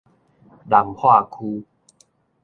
南化區